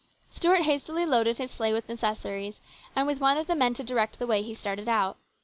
Stuart hastily loaded his sleigh with necessaries, and with one of the men to direct the way he started out.